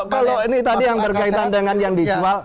kalau ini tadi yang berkaitan dengan yang dijual